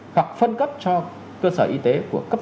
hoặc phân cấp cho cơ sở y tế của cấp phường cấp xã